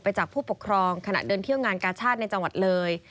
จากผู้ปกครองขณะเดินเที่ยวงานกาชาติในจังหวัดเลย